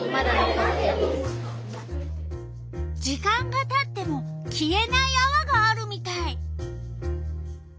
時間がたっても消えないあわがあるみたい。